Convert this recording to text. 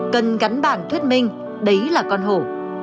cần gắn bản thuyết minh đấy là con hổ